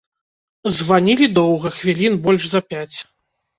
Званілі доўга, хвілін больш за пяць.